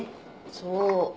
そう。